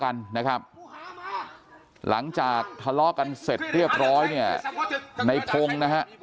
กันนะครับหลังจากทะเลาะกันเสร็จเรียบร้อยเนี่ยในพงศ์นะฮะ